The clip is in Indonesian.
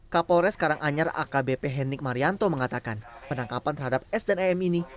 kapolres karanganyar akbp henik marianto mengatakan penangkapan terhadap s dan em ini